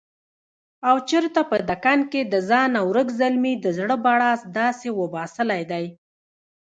او چرته په دکن کښې دځانه ورک زلمي دزړه بړاس داسې وباسلے دے